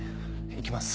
行きます。